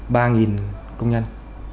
ba nghìn công nhân